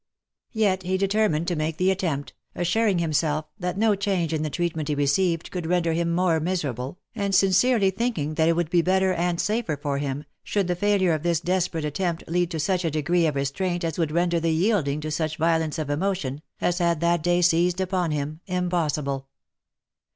Yet he determined to make the attempt, assuring himself, that no change in the treatment he received could render him more miserable, and sincerely thinking that it would be better and safer for him, should the failure of this desperate attempt lead to such a degree of restraint as would render the yielding to such violence of emotion, as had that day seized upon him, impossible.